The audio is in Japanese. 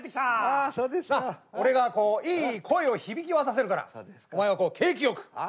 あそうですな。俺がこういい声を響き渡らせるからお前はこう景気よく。